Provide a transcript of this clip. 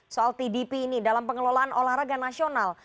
soal tdp ini dalam pengelolaan olahraga nasional